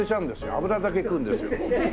脂だけ食うんですよ。